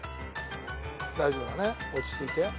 大丈夫だね落ち着いて。